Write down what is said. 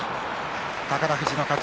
宝富士の勝ち。